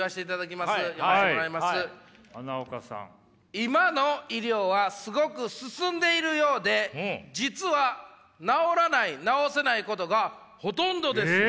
「今の医療はすごく進んでいるようで実は治らない治せないことがほとんどです。